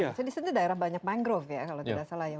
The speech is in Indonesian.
jadi di sana daerah banyak mangrove ya kalau tidak salah ya